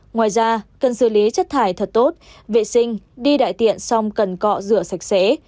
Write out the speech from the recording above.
ngoài ra cần xử lý chất thải thật tốt vệ sinh đi đại tiện xong cần cọ rửa sạch sẽ